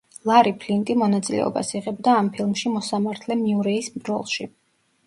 ლარი ფლინტი მონაწილეობას იღებდა ამ ფილში მოსამართლე მიურეის როლში.